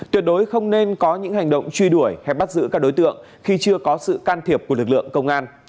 tuyệt đối không nên có những hành động truy đuổi hay bắt giữ các đối tượng khi chưa có sự can thiệp của lực lượng công an